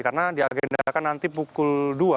karena diagendakan nanti pukul dua